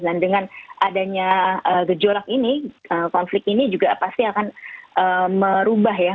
dan dengan adanya gejolak ini konflik ini juga pasti akan merubah ya